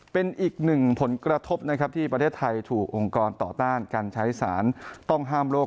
เป็นอีกหนึ่งผลกระทบนะครับที่ประเทศไทยถูกองค์กรต่อต้านการใช้สารต้องห้ามโลก